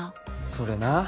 それな。